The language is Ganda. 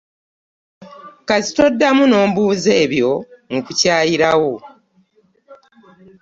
Kasita oddamu n'ombuuza ebyo nkukyayirawo.